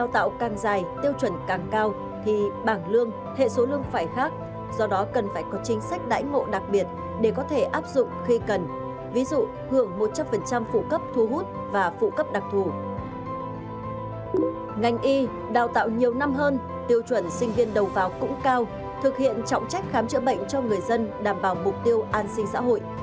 tiêu chuẩn sinh viên đầu vào cũng cao thực hiện trọng trách khám chữa bệnh cho người dân đảm bảo mục tiêu an sinh xã hội